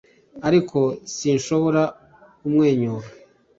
ariko sinshobora kumwenyura